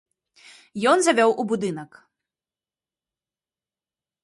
Ён завёў у будынак.